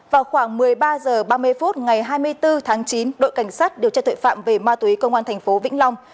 vào khoảng một mươi ba h ba mươi phút ngày hai mươi bốn tháng chín đội cảnh sát điều tra tội phạm về ma túy công an thành phố vĩnh long